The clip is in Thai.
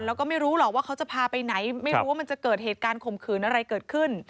แล้วก็ไม่รู้หรอกว่าเขาจะพาไปไหนไม่รู้ว่ามันจะเกิดเหตุการณ์ข่มขืนอะไรเกิดขึ้น